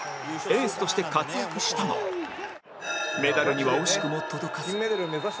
エースとして活躍したがメダルには惜しくも届かず